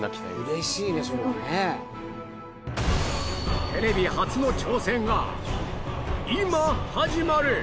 うれしいねそれはねすごいテレビ初の挑戦が今始まる！